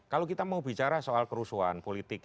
kalau kita mau bicara soal kerusuhan politik